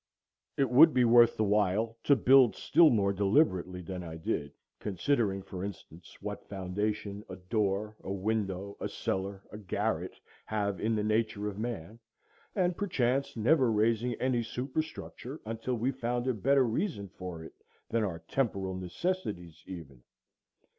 It would be worth the while to build still more deliberately than I did, considering, for instance, what foundation a door, a window, a cellar, a garret, have in the nature of man, and perchance never raising any superstructure until we found a better reason for it than our temporal necessities even.